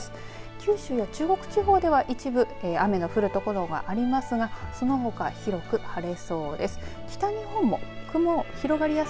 九州や中国地方では一部、雨の降る所がありますがそのほか広く晴れそうです。